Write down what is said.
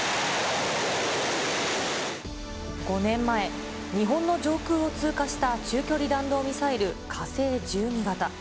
５年前、日本の上空を通過した中距離弾道ミサイル火星１２型。